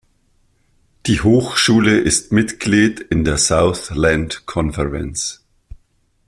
Die Hochschule ist Mitglied in der Southland Conference.